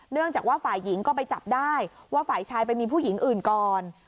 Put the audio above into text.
เนื่องจากว่าฝ่ายหญิงก็ไปจับได้ว่าฝ่ายชายไปมีผู้หญิงอื่นก่อน